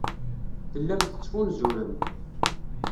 Tellam tettfunzurem.